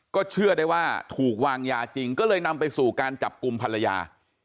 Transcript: ก็เชื่อได้ว่าถูกวางยาจริงก็เลยนำไปสู่การจับกลุ่มภรรยา